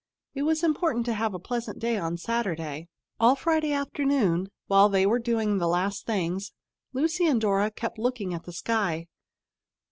It was important to have a pleasant day on Saturday. All Friday afternoon, while they were doing the last things, Lucy and Dora kept looking at the sky.